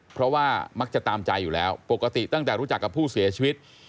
เพราะว่ามักจะตามใจอยู่แล้วปกติตั้งแต่รู้จักกับผู้เสียชีวิต